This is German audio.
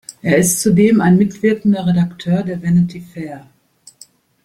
Er ist zudem ein mitwirkender Redakteur der "Vanity Fair".